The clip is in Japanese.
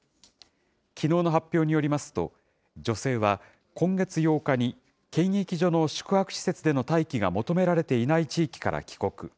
きのうの発表によりますと、女性は今月８日に、検疫所の宿泊施設での待機が求められていない地域から帰国。